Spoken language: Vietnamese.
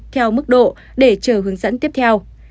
theo mức độ để chờ hướng dẫn tiếp theo